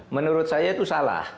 menurut saya itu salah